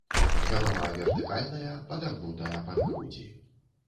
Галава вертыкальная, падагнутая пад грудзі.